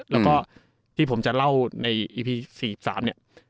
แล้วก็ที่ผมจะเล่าในอีพี๔๓เนี่ย